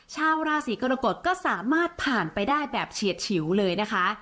ชาวราศีกรกฎก็สามารถผ่านไปได้แบบเฉียดฉิวเลยนะคะ